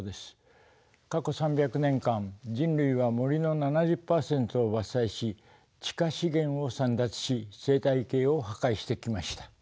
過去３００年間人類は森の７０％を伐採し地下資源を簒奪し生態系を破壊してきました。